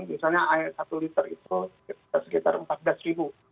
misalnya air satu liter itu sekitar empat belas ribu